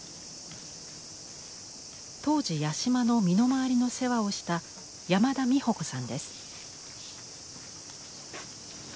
当時八島の身の回りの世話をした山田美穂子さんです。